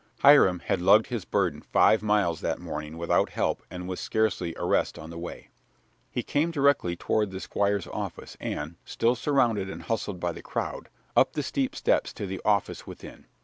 Hiram had lugged his burden five miles that morning without help and with scarcely a rest on the way. He came directly toward the Squire's office and, still surrounded and hustled by the crowd, up the steep steps to the office within.